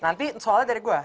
nanti soalnya dari gue